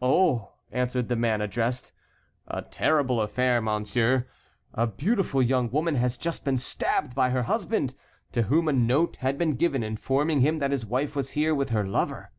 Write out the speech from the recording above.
"Oh!" answered the man addressed, "a terrible affair, monsieur. A beautiful young woman has just been stabbed by her husband, to whom a note had been given informing him that his wife was here with her lover."